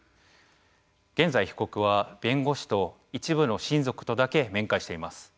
現在、被告は弁護士と一部の親族とだけ面会しています。